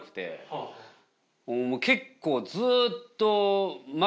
結構ずっと。